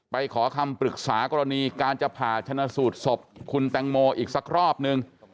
ขอคำปรึกษากรณีการจะผ่าชนะสูตรศพคุณแตงโมอีกสักรอบนึง